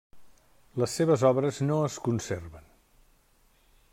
Les seves obres no es conserven.